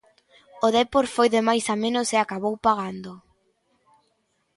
O Depor foi de máis a menos e acabou pagando.